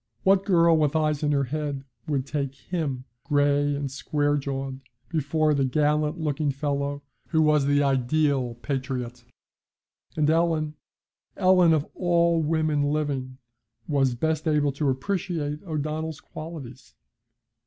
What girl with eyes in her head would take him, gray and square jawed, before the gallant looking fellow who was the ideal patriot. And Ellen Ellen, of all women living, was best able to appreciate O'Donnell's qualities.